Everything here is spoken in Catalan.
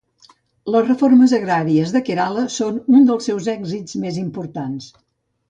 Les reformes agràries de Kerala són un dels seus èxits més importants.